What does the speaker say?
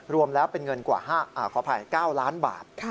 รวมแล้วเป็นเงินกว่าขออภัย๙ล้านบาท